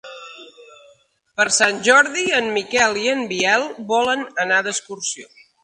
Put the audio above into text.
Per Sant Jordi en Miquel i en Biel volen anar d'excursió.